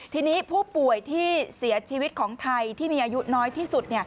ทีนี้ผู้ป่วยที่เสียชีวิตของไทยที่มีอายุน้อยที่สุด